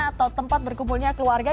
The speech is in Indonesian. atau tempat berkumpulnya keluarga